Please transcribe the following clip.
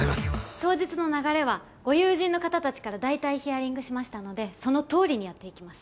当日の流れはご友人の方たちから大体ヒアリングしましたのでその通りにやっていきます。